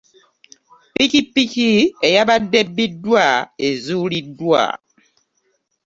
Piki piki eyabade ebbidwa ezulidwa.